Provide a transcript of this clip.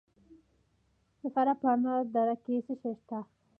د فراه په انار دره کې څه شی شته؟